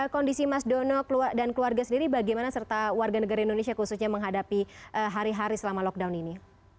kondisi mas dono dan keluarga sendiri bagaimana serta warga negara indonesia khususnya menghadapi hari hari selama lockdown ini